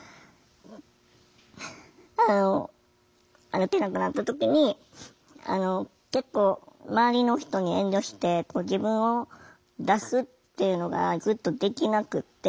歩けなくなった時に結構周りの人に遠慮して自分を出すっていうのがずっとできなくって。